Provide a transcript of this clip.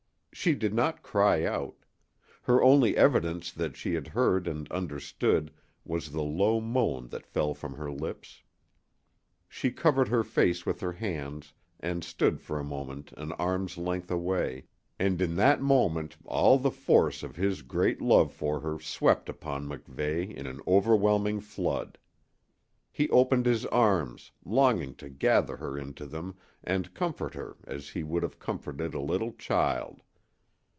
She did not cry out. Her only evidence that she had heard and understood was the low moan that fell from her lips. She covered her face with her hands and stood for a moment an arm's length away, and in that moment all the force of his great love for her swept upon MacVeigh in an overwhelming flood. He opened his arms, longing to gather her into them and comfort her as he would have comforted a little child.